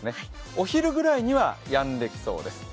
お昼ぐらいには、やんできそうです